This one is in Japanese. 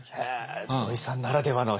土井さんならではの視点。